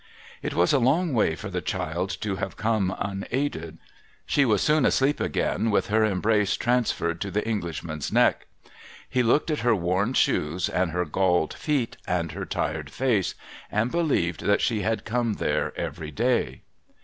' It was a long way for the child to have come unaided. She was soon asleep again, with her embrace transferred to the Englishman's neck. He looked at her worn shoes, and her galled feet, and her tired face, and believed that she had come there every day.